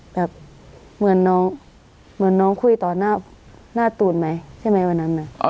แบบเหมือนน้องเหมือนน้องคุยต่อหน้าตูนไหมใช่ไหมวันนั้นนะ